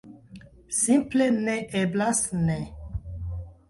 Simple ne eblas ne.